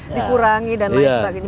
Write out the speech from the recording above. dikurangi dan lain sebagainya